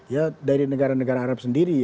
ya dari negara negara arab sendiri